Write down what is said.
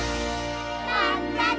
まったね！